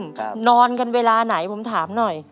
ครับนอนกันเวลาไหนผมถามหน่อย